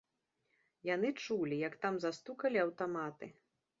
Яны чулі, як там застукалі аўтаматы.